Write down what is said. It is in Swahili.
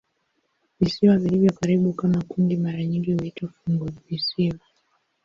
Visiwa vilivyo karibu kama kundi mara nyingi huitwa "funguvisiwa".